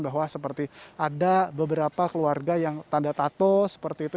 bahwa seperti ada beberapa keluarga yang tanda tato seperti itu